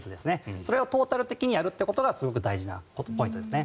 それをトータル的にやるのがすごく大事なことポイントですね。